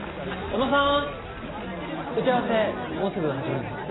小野さん打ち合わせもうすぐ始まります。